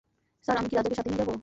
Sir, আমি কী রাজাকে সাথে নিয়ে যাবো?